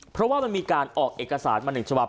เพราะมันมีการออกเอกสารมาหนึ่งฉวบ